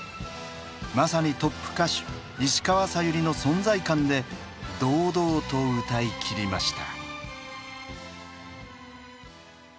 まさにトップ歌手石川さゆりの存在感で堂々と歌い切りました。